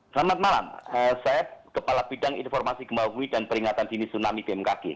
selamat malam saya kepala bidang informasi gempa bumi dan peringatan dini tsunami bmkg